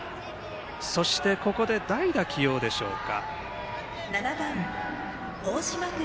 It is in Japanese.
そしてここで代打起用でしょうか。